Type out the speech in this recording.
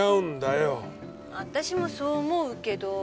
私もそう思うけど。